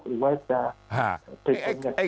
หรือว่าจะ